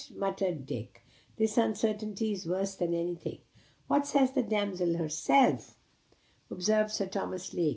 muttered Dick. "This uncertainty is worse than anything." "What says the damsel herself," observed Sir Thomas Lake.